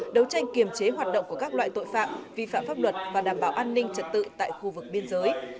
đấu tranh kiềm chế hoạt động của các loại tội phạm vi phạm pháp luật và đảm bảo an ninh trật tự tại khu vực biên giới